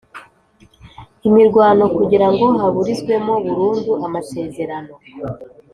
Imirwano kugira ngo haburizwemo burundu amasezerano